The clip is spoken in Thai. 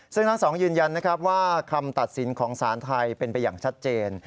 ซึ่งทั้งสองยืนยันนะครับว่าคำตัดสินของสารไทยเป็นไปอย่างชัดเจน